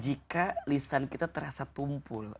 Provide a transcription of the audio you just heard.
jika lisan kita terasa tumpul